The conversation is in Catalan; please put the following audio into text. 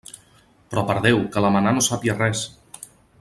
Però, per Déu!, que la mamà no sàpia res.